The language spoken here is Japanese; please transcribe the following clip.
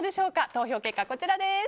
投票結果、こちらです。